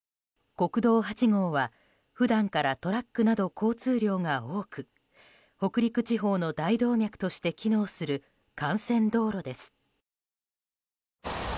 国道８号は普段からトラックなど交通量が多く北陸地方の大動脈として機能する幹線道路です。